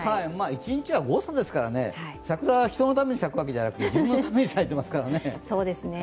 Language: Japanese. １日は誤差ですからね、桜は人のために咲くわけではなくて自分のために咲いてますからね。